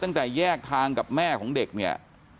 ตั้งแต่แยกทางกับแม่ของเด็กเนี่ย